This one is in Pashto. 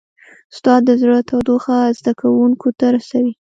استاد د زړه تودوخه زده کوونکو ته رسوي.